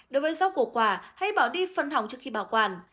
đối với rau cổ quả hãy bỏ đi phân hỏng trước khi bảo quản